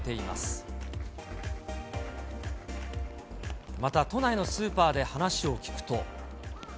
また、都内のスーパーで話を聞くと。